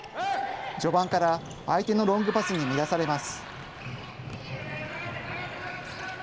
序盤から相手のロングパスに乱されます。